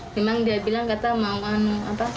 memang dia bilang kata mau